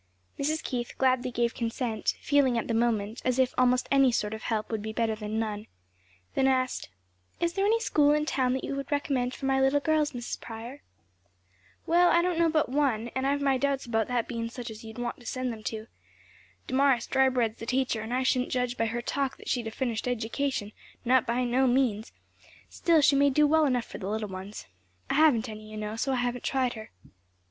Mrs. Keith gladly gave consent, feeling at the moment as if almost any sort of help would be better than none; then asked, "Is there any school in town that you could recommend for my little girls, Mrs. Prior?" "Well, I don't know of but one and I've my doubts about that bein' such as you'd want to send to. Damaris Drybread's the teacher, and I shouldn't judge by her talk that she'd had a finished education; not by no means! still she may do well enough for little ones. I haven't any, you know, so I haven't tried her."